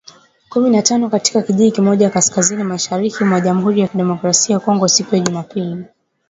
Kumi na tano katika kijiji kimoja kaskazini-mashariki mwa Jamhuri ya Kidemokrasi ya Kongo siku ya Jumapili